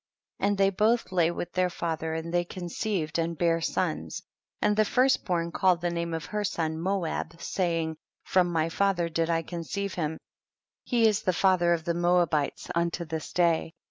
58. And they both lay with their father, and they conceived and bare sons, and the first born called the name of her son Moab, saying, from my father did I conceive him ; he is the father of the Moabites unto this day.